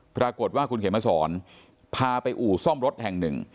ปรากฏว่าคุณเขมสอนพาไปอู่ซ่อมรถแห่งหนึ่ง